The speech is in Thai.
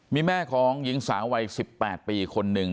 มีแม่ของหญิงสาววัย๑๘ปีคนหนึ่ง